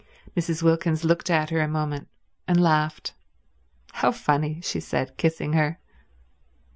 Mrs. Wilkins looked at her a moment, and laughed. "How funny," she said, kissing her.